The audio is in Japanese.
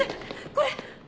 これ！